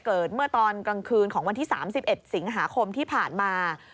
เกิดเมื่อตอนกลางคืนของวันที่๓๑สิงหาคมที่ผ่านมา